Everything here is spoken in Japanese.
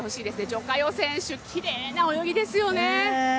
徐嘉余選手、きれいな泳ぎですよね